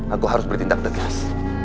aku harus bertindak tegas